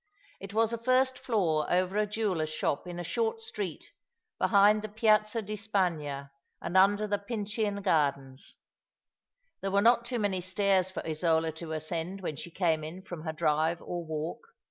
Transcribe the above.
It was a first floor over a jeweller's shop in a short street behind the Piazza di Spagna, and under tho Piucian Gardens. There were not too many stairs for Isola to ascend when she came in from her drive or walk.